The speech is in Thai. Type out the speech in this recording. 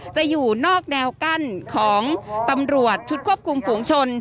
จะอยู่นอกแนวกั้นของตำรวจชุดควบคุมฝูงชน